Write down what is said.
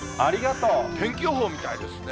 天気予報みたいですね。